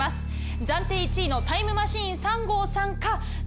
暫定１位のタイムマシーン３号さんかＺＡＺＹさん